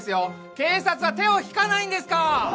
警察は手を引かないんですか？